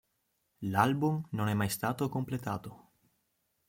L'album non è mai stato completato.